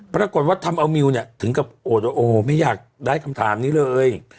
ปรากฏว่าทำเอามิวเนี่ยถึงกับโอดโอไม่อยากได้คำถามนี้เลย